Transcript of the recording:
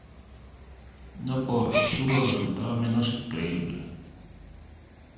No por absurdo resultaba menos creíble